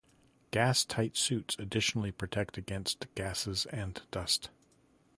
Gastight suits additionally protect against gases and dust.